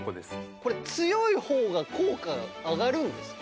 これ強い方が効果上がるんですか？